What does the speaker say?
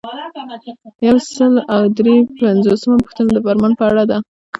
یو سل او درې پنځوسمه پوښتنه د فرمان په اړه ده.